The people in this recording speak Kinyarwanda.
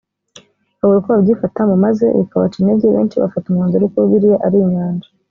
babura uko babyifatamo maze bikabaca intege benshi bafata umwanzuro w uko bibiliya ari inyanja